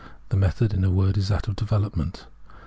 The method, in a word, is that of development.